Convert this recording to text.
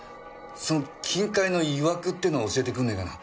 その金塊のいわくってのを教えてくんねえかな。